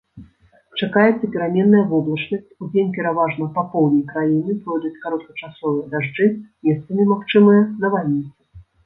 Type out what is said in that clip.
Чакаецца пераменная воблачнасць, удзень пераважна па поўдні краіны пройдуць кароткачасовыя дажджы, месцамі магчымыя навальніцы.